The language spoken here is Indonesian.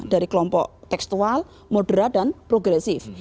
dari kelompok tekstual moderat dan progresif